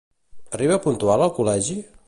Arriba puntual al col·legi?